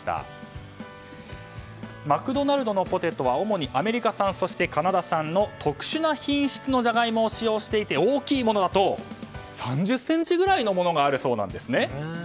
マクドナルドのポテトは主にアメリカ産そしてカナダ産の特殊な品質のジャガイモを使用していて大きいものだと３０ｃｍがあるそうです。